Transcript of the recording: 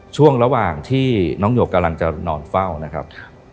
ช่วงระหว่างที่น้องหยกกำลังจะนอนเฝ้านะครับ